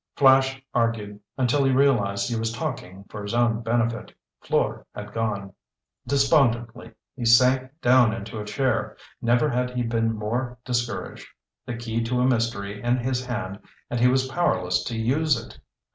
Flash argued until he realized he was talking for his own benefit. Fleur had gone. Despondently, he sank down into a chair. Never had he been more discouraged. The key to a mystery in his hand and he was powerless to use it!